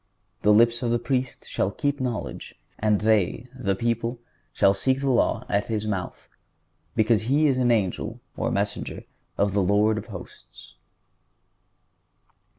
"The lips of the Priest shall keep knowledge, and they (the people) shall seek the law at his mouth, because he is the angel (or messenger) of the Lord of hosts."